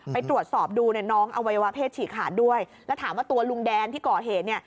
ไปตรวจสอบดูเนี่ยน้องอวัยวะเพศฉีกขาดด้วยแล้วถามว่าตัวลุงแดนที่ก่อเหตุเนี่ย